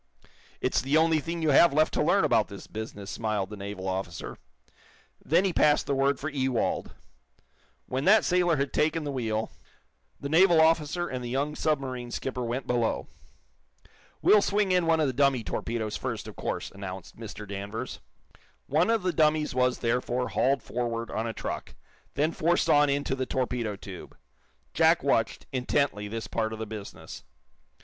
"It's the only thing you have left to learn about this business," smiled the naval officer. Then he passed the word for Ewald. When that it sailor had taken the wheel, the naval officer and the young submarine skipper went below. "We'll swing in one of the dummy torpedoes, first, of course," announced Mr. Danvers. One of the dummies was, therefore, hauled forward on a truck, then forced on into the torpedo tube. Jack watched, intently, this part of the business.